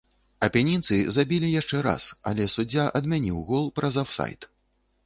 Апенінцы забілі яшчэ раз, але суддзя адмяніў гол праз афсайд.